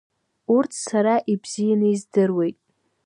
Урҭ сара ибзианы издыруеит.